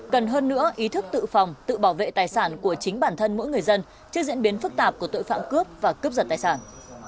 cần hơn nữa ý thức tự phòng tự bảo vệ tài sản của chính bản thân mỗi người dân trước diễn biến phức tạp của tội phạm cướp và cướp giật tài sản